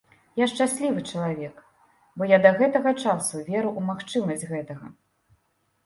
Я шчаслівы чалавек, бо я да гэтага часу веру ў магчымасць гэтага.